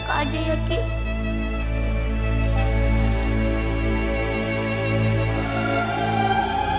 gak usah disedi sediin gitu